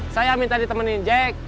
saya minta ditemenin jack